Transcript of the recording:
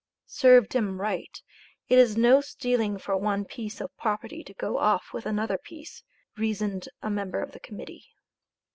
"Served him right, it is no stealing for one piece of property to go off with another piece," reasoned a member of the Committee.